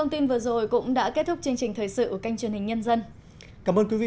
xin chào tạm biệt và hẹn gặp lại